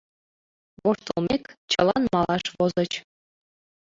Воштылмек, чылан малаш возыч.